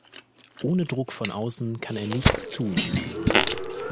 Ohne Druck von außen kann er nichts tun.